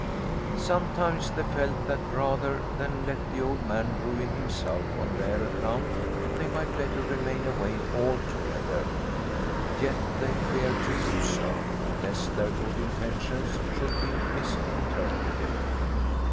Sometimes they felt that rather than let the old man ruin himself on their account they might better remain away altogether. Yet they feared to do so, lest their good intentions should be misinterpreted.